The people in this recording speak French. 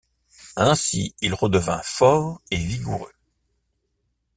Ainsi il redevint fort et vigoureux.